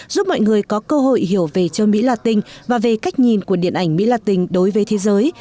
giúp mọi người có cơ hội hiểu về châu mỹ la tinh và về cách nhìn của điện ảnh mỹ la tinh đối với thế giới